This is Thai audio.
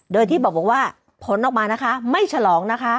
โดยที่บอกว่าผลออกมานะคะไม่ฉลองนะคะ